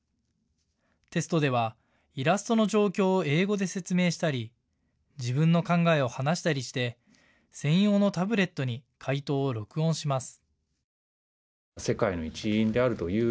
テストではイラストの状況を英語で説明したり自分の考えを話したりして専用のタブレットに解答を録音します。